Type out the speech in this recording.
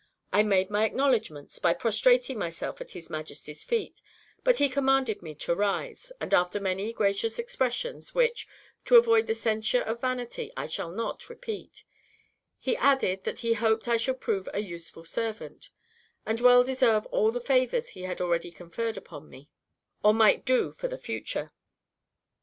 I made my acknowledgments, by prostrating myself at his Majesty's feet, but he commanded me to rise; and after many gracious expressions, which, to avoid the censure of vanity, I shall not repeat, he added that he hoped I should prove a useful servant, and well deserve all the favors he had already conferred upon me, or might do for the future.